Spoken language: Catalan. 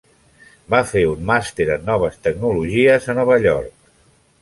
Va fer un màster en noves tecnologies a Nova York.